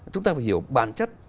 chúng ta phải hiểu bản chất